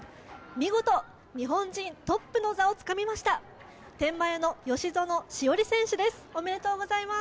見事、日本人トップの座をつかみました天満屋の吉薗栞選手です。